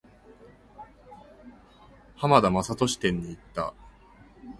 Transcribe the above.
浜田雅功展に行った。